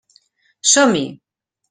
Som-hi!